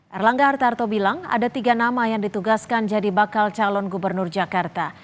erlangga hartarto bilang ada tiga nama yang ditugaskan jadi bakal calon gubernur jakarta